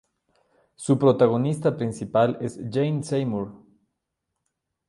Su protagonista principal es Jane Seymour.